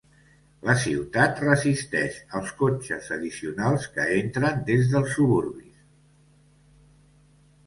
La ciutat resisteix els cotxes addicionals que entren des dels suburbis.